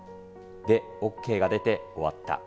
で、ＯＫが出て終わった。